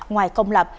ngoài công lập